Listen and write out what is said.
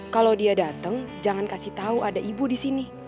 kalau dia dateng jangan kasih tau ada ibu disini